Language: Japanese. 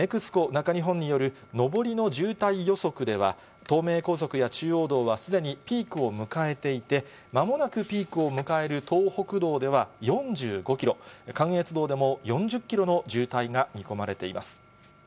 中日本による上りの渋滞予測では、東名高速や中央道はすでにピークを迎えていて、まもなくピークを迎える東北道では４５キロ、関越道でも４０キロの渋滞が見込まれています。